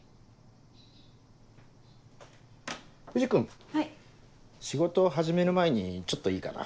藤君仕事始める前にちょっといいかな。